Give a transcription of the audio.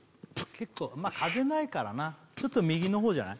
結構まあ風ないからなちょっと右の方じゃない？